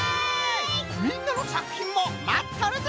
みんなのさくひんもまっとるぞ！